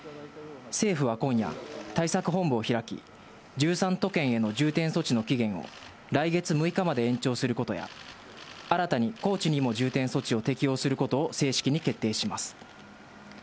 政府は今夜、対策本部を開き、１３都県への重点措置の期限を来月６日まで延長することや、新たに高知にも重点措置を適用することを正式に決定します。